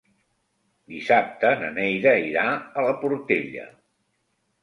Dissabte na Neida irà a la Portella.